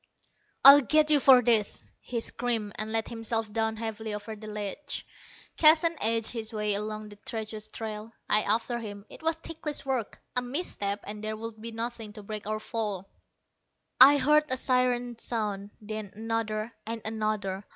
"I'll get you for this!" he screamed, and let himself down heavily over the ledge. Keston edged his way along the treacherous trail, I after him. It was ticklish work. A misstep, and there would be nothing to break our fall. I heard a siren sound, then another; and another.